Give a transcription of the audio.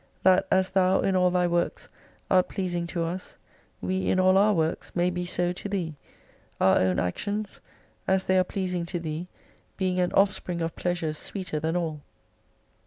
That as Thou in all Thy works art pleasing to us, we in all our works may be so to Thee ; our own actions as they are pleasing to Thee being an offspring of pleasures sweeter than all.